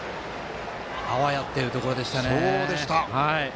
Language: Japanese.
あわやというところでしたね。